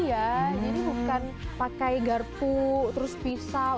ya jadi bukan pakai garpu terus pisau